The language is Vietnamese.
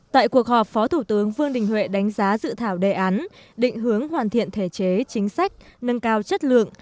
tại cuộc họp phó thủ tướng vương đình huệ đánh giá dự thảo đề án định hướng hoàn thiện thể chế chính sách nâng cao chất lượng